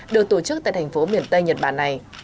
được tổ chức tại thành phố miền tây nhật bản này